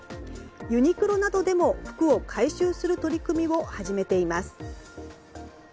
ユニクロなどでも服を回収する取り組みを始めています。